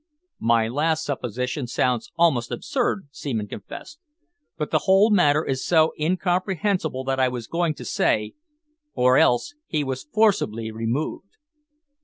"My last supposition sounds absurd," Seaman confessed, "but the whole matter is so incomprehensible that I was going to say or else he was forcibly removed."